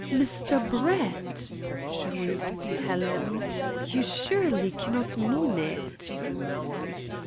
"Mr. Brett!" shrieked Helen, "you surely cannot mean it."